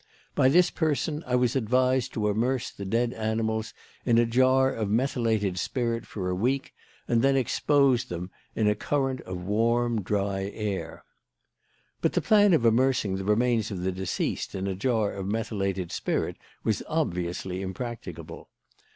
By this person I was advised to immerse the dead animals in a jar of methylated spirit for a week and then expose them in a current of warm, dry air. "But the plan of immersing the remains of the deceased in a jar of methylated spirit was obviously impracticable.